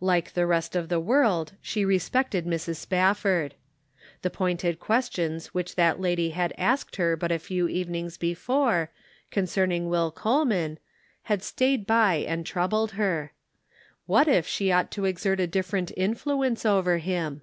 Like the rest of the world, she respected Mrs. Spafford. The pointed questions which that lady had asked her but a few evenings before, concern ing Will Coleman, had stayed by and trou bled her. What if she ought to exert a differ ent influence over him